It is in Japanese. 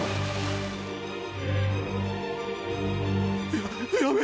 ややめ。